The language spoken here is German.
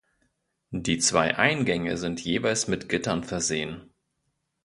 Die zwei Eingänge sind jeweils mit Gittern versehen.